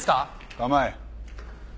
構え。